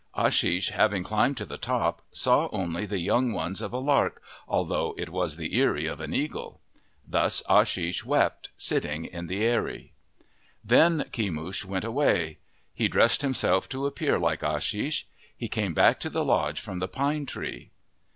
Ashish having climbed to the top, saw only the young ones of a lark, although it was the eyrie of an eagle. Thus Ashish wept, sitting in the eyrie. Then Kemush went away. He dressed himself to appear like Ashish. He came back to the lodge from the pine tree.